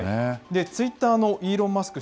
ツイッターのイーロン・マスク